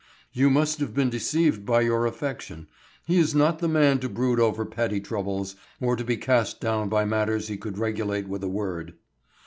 "You must have been deceived by your affection. He is not the man to brood over petty troubles, or to be cast down by matters he could regulate with a word."